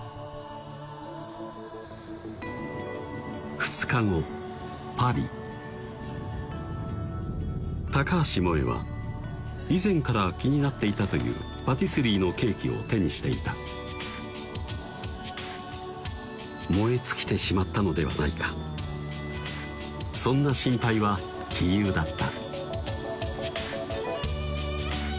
２日後パリ橋萌は以前から気になっていたというパティスリーのケーキを手にしていた燃え尽きてしまったのではないかそんな心配は杞憂だった